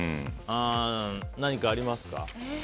何か、ありますか？